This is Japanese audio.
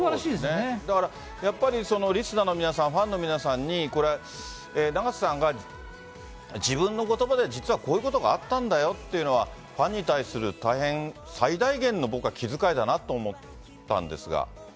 だからやっぱり、リスナーの皆さん、ファンの皆さんに、これ、永瀬さんが自分のことばで実はこういうことがあったんだよっていうのは、ファンに対する大変最大限の、そうですね。